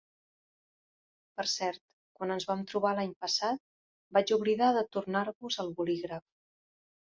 Per cert, quan ens vam trobar l'any passat, vaig oblidar de tornar-vos el bolígraf.